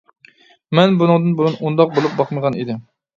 مەن بۇنىڭدىن بۇرۇن ئۇنداق بولۇپ باقمىغانىدىم.